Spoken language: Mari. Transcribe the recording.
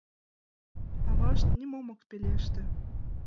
Авашт нимом ок пелеште.